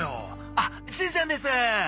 あっしずちゃんです。